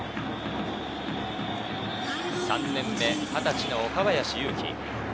３年目、二十歳の岡林勇希。